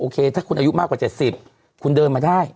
ถ้าคุณอายุมากกว่า๗๐คุณเดินมาได้